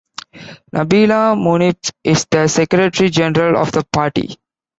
Nabila Mounib is the secretary-general of the party.